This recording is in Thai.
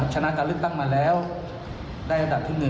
ชนะการเลือกตั้งมาแล้วได้อันดับที่๑